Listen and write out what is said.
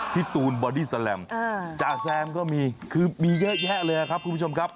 ตูนบอดี้แลมจ่าแซมก็มีคือมีเยอะแยะเลยครับคุณผู้ชมครับ